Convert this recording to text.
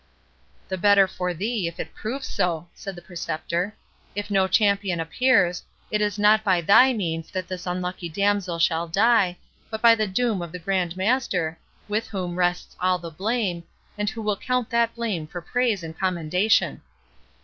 "The better for thee, if it prove so," said the Preceptor; "if no champion appears, it is not by thy means that this unlucky damsel shall die, but by the doom of the Grand Master, with whom rests all the blame, and who will count that blame for praise and commendation."